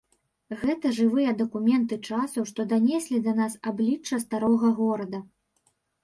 Гэта жывыя дакументы часу, што данеслі да нас аблічча старога горада.